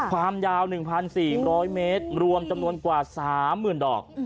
ความยาว๑๔๐๐เมตรรวมจำนวนกว่า๓๐๐๐ดอก